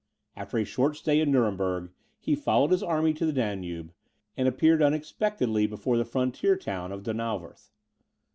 After a short stay in Nuremberg, he followed his army to the Danube, and appeared unexpectedly before the frontier town of Donauwerth.